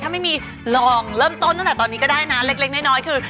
ถ้าไม่มีลองเริ่มต้นตั้งแต่ตอนนี้ก็ได้นะเล็กน้อยคือ